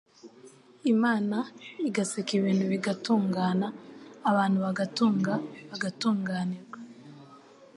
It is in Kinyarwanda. Imana igaseka ibintu bigatungana, abantu bagatunga, bagatunganirwa.